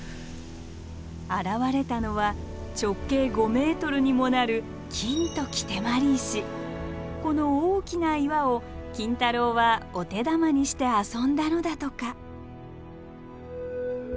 現れたのは直径５ｍにもなるこの大きな岩を金太郎はお手玉にして遊んだのだとか。